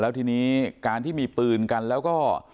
แล้วทีนี้การที่มีปืนกันแล้วก็